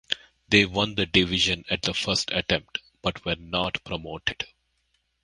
They won the division at the first attempt, but were not promoted.